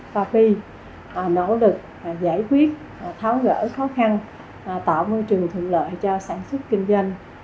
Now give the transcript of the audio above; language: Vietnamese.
papi nỗ lực giải quyết tháo gỡ khó khăn tạo môi trường thuận lợi cho sản xuất kinh doanh